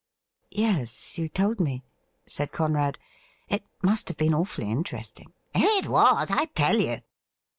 ' Yes, you told me,' said Conrad. ' It must have been awfully interesting.' ' It was, I tell you.'